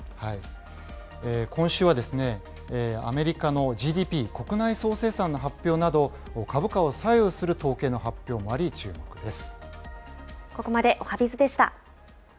今週は、アメリカのＧＤＰ・国内総生産の発表など、株価を左右する統計の発表もあり注目です。